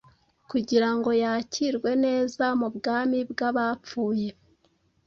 kugira ngo yakirwe neza mu bwami bwabapfuye